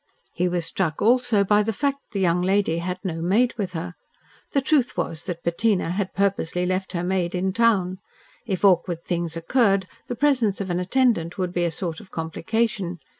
He was struck, also, by the fact that the young lady had no maid with her. The truth was that Bettina had purposely left her maid in town. If awkward things occurred, the presence of an attendant would be a sort of complication.